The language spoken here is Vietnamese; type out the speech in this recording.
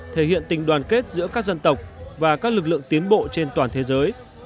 thể hiện tình đoàn kết giữa các dân tộc và các lực lượng tiến bộ trên toàn thế giới